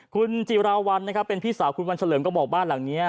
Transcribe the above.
คุณจิราวัลนะครับเป็นพี่สาวคุณวันเฉลิมก็บอกบ้านหลังนี้